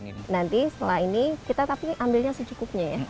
nanti setelah ini kita tapi ambilnya secukupnya ya